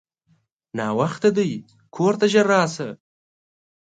ناوخته دی کورته ژر راسه!